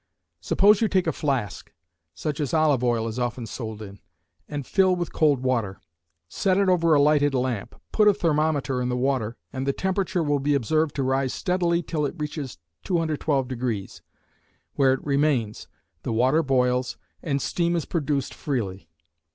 Suppose you take a flask, such as olive oil is often sold in, and fill with cold water. Set it over a lighted lamp, put a thermometer in the water, and the temperature will be observed to rise steadily till it reaches 212°, where it remains, the water boils, and steam is produced freely.